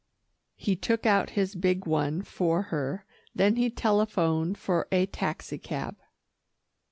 He took out his big one for her, then he telephoned for a taxi cab.